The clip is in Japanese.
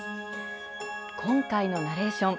今回のナレーション。